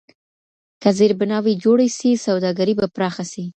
که زیربناوي جوړي سي سوداګري به پراخه سي.